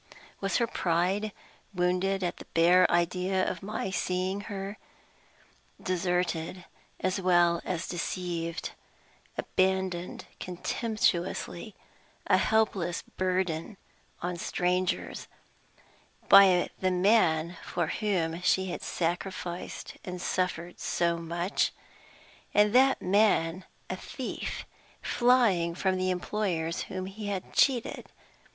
Was her pride wounded at the bare idea of my seeing her, deserted as well as deceived abandoned contemptuously, a helpless burden on strangers by the man for whom she had sacrificed and suffered so much? And that man a thief, flying from the employers whom he had cheated!